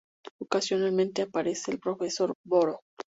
Ocasionalmente aparece el Profesor Boro.